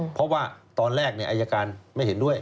เพราะว่าตอนแรกอายการไม่เห็นด้วย